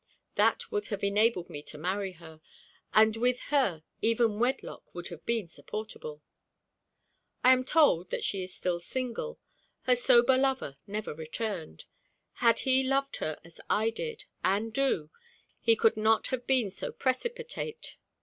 That would have enabled me to marry her; and with her even wedlock would have been supportable. I am told that she is still single. Her sober lover never returned. Had he loved as I did, and do, he could not have been so precipitate.